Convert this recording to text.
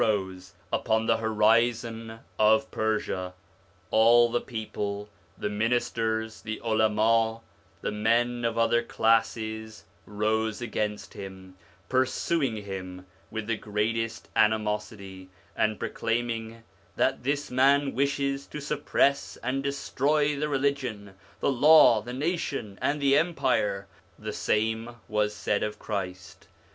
36 SOME ANSWERED QUESTIONS upon the horizon of Persia, all the people, the ministers, the Ulama, and men of other classes rose against him, pursuing him with the greatest animosity, and pro claiming ' that this man wishes to suppress and destroy the religion, the law, the nation, and the empire/ The same was said of Christ.